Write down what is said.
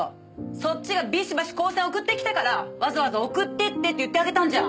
そっちがビシバシ光線送ってきたからわざわざ送ってって言ってあげたんじゃん。